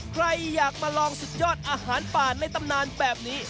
ใครอยากมาลองสุดยอดอาหารป่าในตำนานแบบนี้